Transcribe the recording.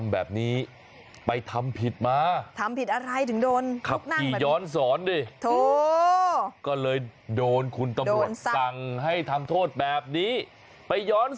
แล้วลงไปทำท่า